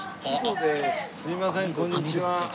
すいませんこんにちは。